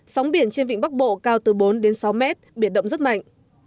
sống biển trên vĩnh bắc bộ cao từ bốn đến sáu mét biển động rất mạnh